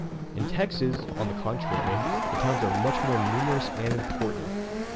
In Texas, on the contrary, the towns are much more numerous and important.